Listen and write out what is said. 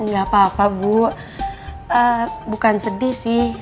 nggak apa apa bu bukan sedih sih